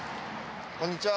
こんにちは！